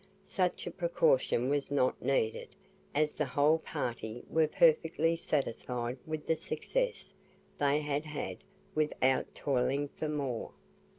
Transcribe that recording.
Such a precaution was not needed, as the whole party were perfectly satisfied with the success they had had without toiling for more.